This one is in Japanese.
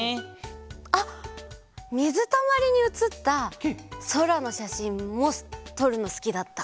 あっみずたまりにうつったそらのしゃしんもとるのすきだった。